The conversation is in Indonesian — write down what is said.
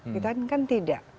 kita kan tidak